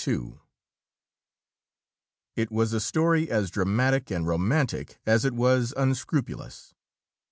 It was a story as dramatic and romantic as it was unscrupulous.